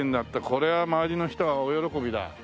これは周りの人は大喜びだ。